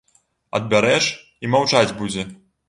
Адбярэш, і маўчаць будзе.